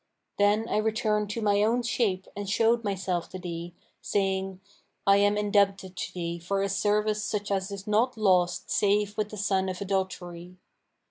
Then I returned to my own shape and showed myself to thee, saying, 'I am indebted to thee for a service such as is not lost save with the son of adultery.'